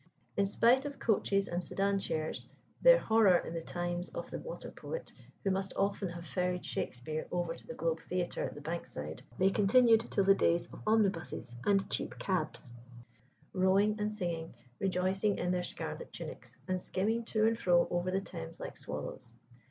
In spite of coaches and sedan chairs their horror in the times of the "Water Poet," who must often have ferried Shakspere over to the Globe Theatre at the Bankside they continued till the days of omnibuses and cheap cabs, rowing and singing, rejoicing in their scarlet tunics, and skimming to and fro over the Thames like swallows.